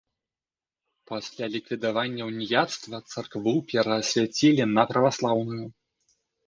Пасля ліквідавання ўніяцтва царкву пераасвяцілі на праваслаўную.